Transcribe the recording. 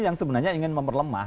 yang sebenarnya ingin memperlemah